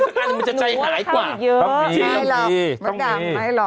อันนี้มันจะใจหายกว่าต้องมีต้องมีต้องมีต้องมีต้องมีไม่หลอก